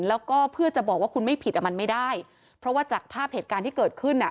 แล้วก็เพื่อจะบอกว่าคุณไม่ผิดอ่ะมันไม่ได้เพราะว่าจากภาพเหตุการณ์ที่เกิดขึ้นอ่ะ